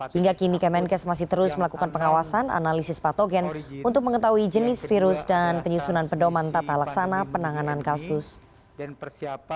hingga kini kemenkes masih terus melakukan pengawasan analisis patogen untuk mengetahui jenis virus dan penyusunan pedoman tata laksana penanganan kasus